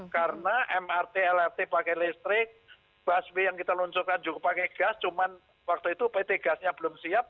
karena mrt lrt pakai listrik busway yang kita luncurkan juga pakai gas cuman waktu itu pt gasnya belum siap